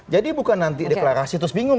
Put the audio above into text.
jadi bukan nanti deklarasi terus bingung